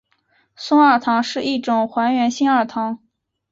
松二糖是一种还原性二糖。